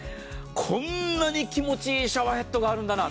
こんなに気持ち良いシャワーヘッドがあるんだな。